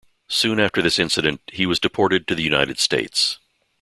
Soon after this incident, he was deported to the United States.